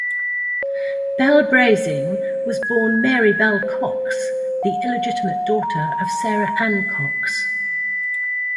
Belle Brezing was born Mary Belle Cox, the illegitimate daughter of Sarah Ann Cox.